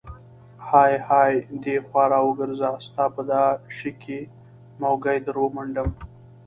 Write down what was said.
های های دې خوا راوګرزه، ستا په دا شي کې موږی در ومنډم.